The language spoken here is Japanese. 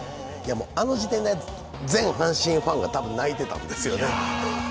あの時点で全阪神ファンが泣いてたですね。